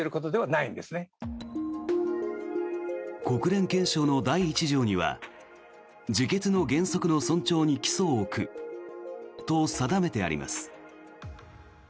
国連憲章の第１条には自決の原則の尊重に基礎を置くと定めてあります。